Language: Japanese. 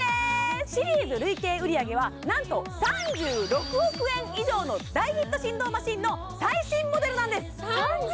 シリーズ累計売り上げはなんと３６億円以上の大ヒット振動マシンの最新モデルです。